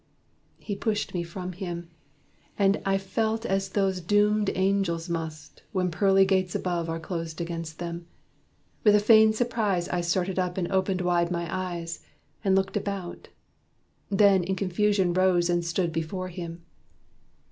He pushed me from him. And I felt as those Doomed angels must, when pearly gates above Are closed against them. With a feigned surprise I started up and opened wide my eyes, And looked about. Then in confusion rose And stood before him.